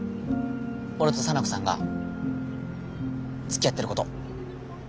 俺と沙名子さんがつきあってること。